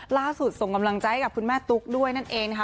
ส่งกำลังใจให้กับคุณแม่ตุ๊กด้วยนั่นเองนะคะ